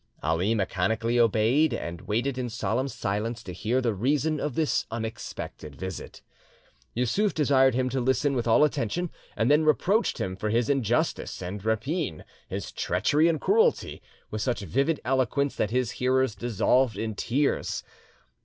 Ali mechanically obeyed, and waited in solemn silence to hear the reason of this unexpected visit. Yussuf desired him to listen with all attention, and then reproached him for his injustice and rapine, his treachery and cruelty, with such vivid eloquence that his hearers dissolved in tears.